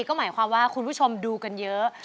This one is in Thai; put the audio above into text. ก็หมายความว่าคุณผู้ชมดูกันเยอะ